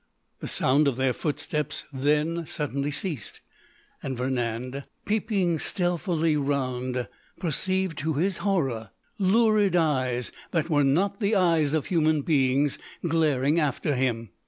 The sound of their footsteps then suddenly ceased, and Vernand, peeping stealthily round, perceived to his horror lurid eyes that were not the eyes of human beings glaring after him.